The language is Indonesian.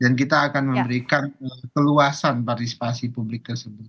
dan kita akan memberikan keluasan partisipasi publik tersebut